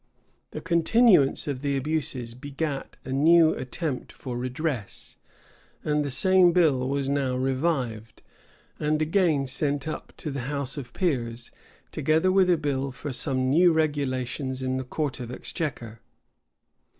[*] The continuance of the abuses begat a new attempt for redress; and the same bill was now revived, and again sent up to the house of peers, together with a bill for some new regulations in the court of exchequer.